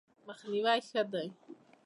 مخنیوی ښه دی.